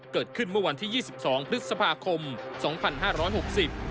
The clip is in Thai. เกิดขึ้นเมื่อวันที่ยี่สิบสองพฤษภาคมสองพันห้าร้อยหกสิบ